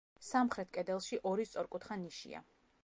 სამხრეთ კედელში ორი სწორკუთხა ნიშია.